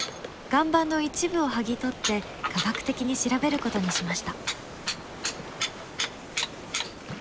岩盤の一部を剥ぎ取って科学的に調べることにしました。